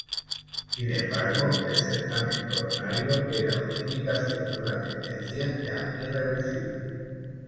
Sin embargo, el certamen coronario era una indicación de una tendencia ya irreversible.